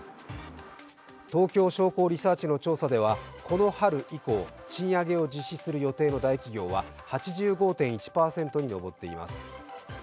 東京商工リサーチの調査ではこの春以降賃上げを実施する予定の大企業は８５．１％にのぼっています。